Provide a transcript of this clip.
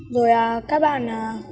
rồi các bạn